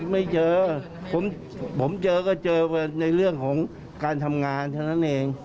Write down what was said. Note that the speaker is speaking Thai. ไม่เจอผมเจอก็เจอในเรื่องของการทำงานเท่านั้นเอง